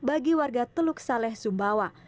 bagi warga teluk saleh sumbawa